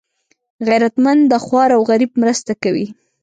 غیرتمند د خوار او غریب مرسته کوي